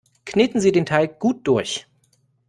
Kneten Sie den Teig gut durch!